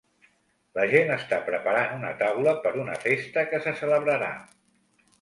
La gent està preparant una taula per una festa que se celebrarà.